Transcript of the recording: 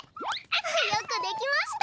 よくできました！